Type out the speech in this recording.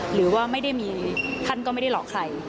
หรือว่าไม่ได้มีท่านก็ไม่ได้หลอกใคร